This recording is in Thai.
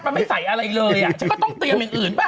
มันไม่ใส่อะไรเลยอ่ะฉันก็ต้องเตรียมอย่างอื่นป่